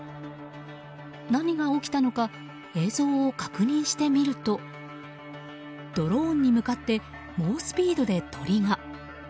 何が起きたのか映像を確認してみるとドローンに向かって猛スピードで鳥が。